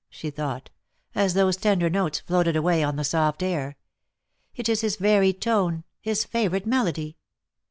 she thought, as those tender notes floated away on the soft air. " It is his very tone — his favourite melody.